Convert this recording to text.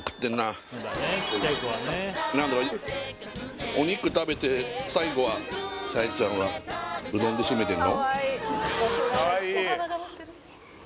何だろうお肉食べて最後は沙耶ちゃんはうどんでシメてるの？